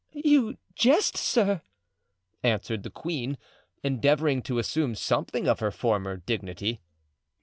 '" "You jest, sir!" answered the queen, endeavoring to assume something of her former dignity.